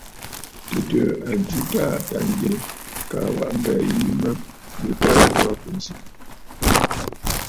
Tɨ̀tɨ̀ɨ̀ a jɨ a Taà Tâŋgyɛ kaa a waʼa mbɛ̀ɛ̀ yìi mə yu təə ghu aa bù ǹzi.